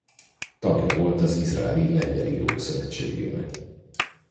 Tagja volt az Izraeli Lengyel Írók Szövetségének.